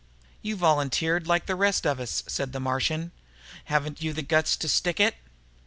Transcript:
"You volunteered, like the rest of us," said the Martian. "Haven't you the guts to stick it?"